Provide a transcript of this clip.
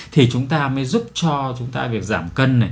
thì chúng ta mới giúp cho chúng ta việc giảm cân này